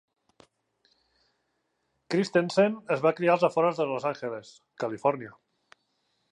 Christensen es va criar als afores de Los Àngeles, Califòrnia.